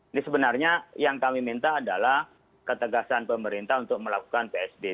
ini sebenarnya yang kami minta adalah ketegasan pemerintah untuk melakukan psd